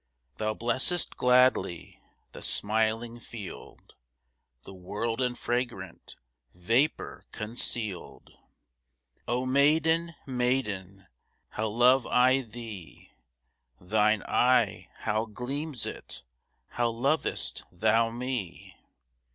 Thou blessest gladly The smiling field, The world in fragrant Vapour conceal'd. Oh maiden, maiden, How love I thee! Thine eye, how gleams it! How lov'st thou me!